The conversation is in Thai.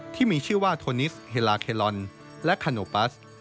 ที่มีชื่อว่าโทนิสเฮลาเคลอนและคาโนปัส